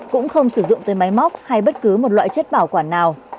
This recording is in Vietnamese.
cũng không sử dụng tới máy móc hay bất cứ một loại chất bảo quản nào